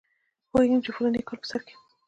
پوهېږم چې د فلاني کال په سر کې.